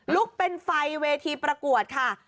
ลุกเป็นไฟเวทีประกวดค่ะ